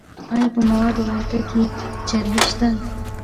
ایا په موادو غایطه کې چربی شته؟